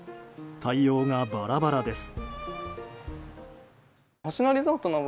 対応がバラバラです。